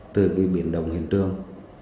từ cái biển đồng hiện trường